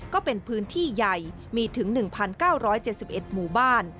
ก็เป็นพื้นที่ใหญ่มีถึง๑๙๗๑หมู่บ้าน